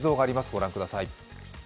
ご覧ください。